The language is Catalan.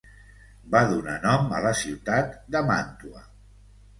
Va donar nom a la ciutat de Màntua.